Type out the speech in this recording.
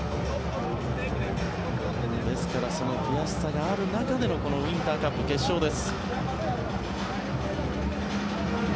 ですからその悔しさがある中でのウインターカップ決勝です。